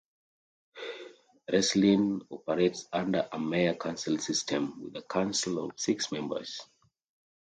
Crestline operates under a mayor-council system, with a council of six members.